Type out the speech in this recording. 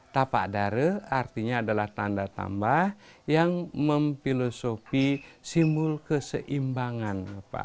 tapak dare artinya adalah tanda tambah yang memfilosofi simbol keseimbangan